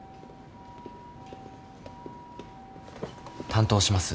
担当します